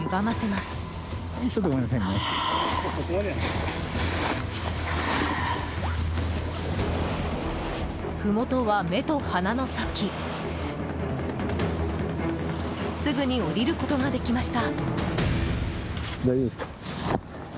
すぐに下りることができました。